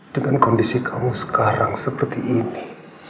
dengan kondisi kamu sekarang seperti ini